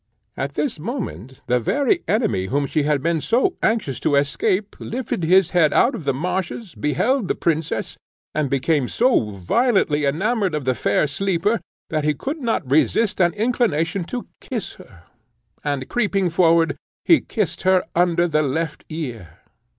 At this moment, the very enemy whom she had been so anxious to escape lifted his head out of the marshes, beheld the princess, and became so violently enamoured of the fair sleeper, that he could not resist an inclination to kiss her; and, creeping forward, he kissed her under the left ear.